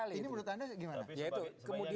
ini menurut anda gimana